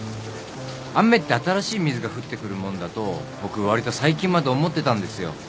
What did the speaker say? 雨って新しい水が降ってくるもんだと僕わりと最近まで思ってたんですよ。